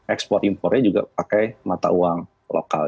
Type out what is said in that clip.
ekspor impornya juga pakai mata uang lokal